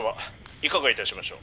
いかがいたしましょう？」。